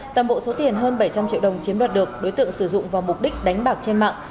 tầm bộ số tiền hơn bảy trăm linh triệu đồng chiếm đoạt được đối tượng sử dụng vào mục đích đánh bạc trên mạng